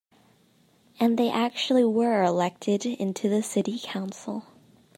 And they actually were elected into the city council.